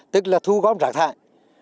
tức là thu góp rạc thải